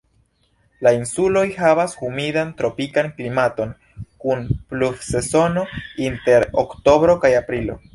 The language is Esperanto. La insuloj havas humidan tropikan klimaton kun pluvsezono inter oktobro kaj aprilo.